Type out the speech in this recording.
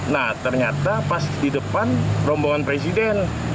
nah ternyata pas di depan rombongan presiden